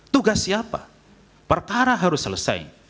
tugas siapa perkara harus selesai